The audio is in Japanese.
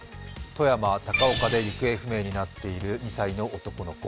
富山・高岡で行方不明になっている２歳の男の子。